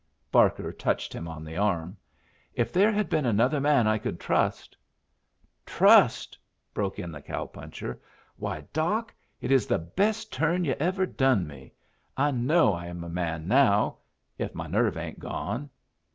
Barker touched him on the arm. "If there had been another man I could trust " "Trust!" broke in the cow puncher. "Why, Doc, it is the best turn yu' ever done me. I know I am a man now if my nerve ain't gone."